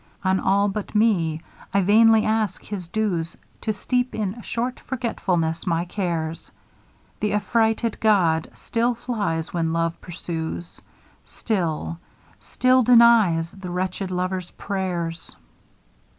On all but me I vainly ask his dews To steep in short forgetfulness my cares. Th' affrighted god still flies when Love pursues, Still still denies the wretched lover's prayers.